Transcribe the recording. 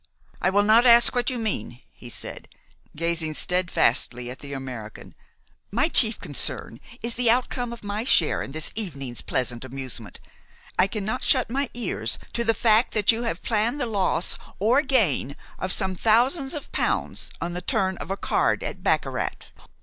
"I will not ask what you mean," he said, gazing steadfastly at the American. "My chief concern is the outcome of my share in this evening's pleasant amusement. I cannot shut my ears to the fact that you have planned the loss or gain of some thousands of pounds on the turn of a card at baccarat."